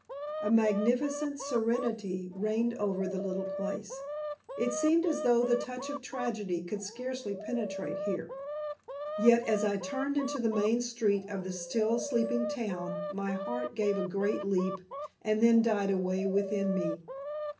A magnificent serenity reigned over the little place. It seemed as though the touch of tragedy could scarcely penetrate here. Yet as I turned into the main street of the still sleeping town my heart gave a great leap and then died away within me.